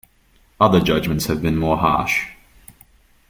Other judgments have been more harsh.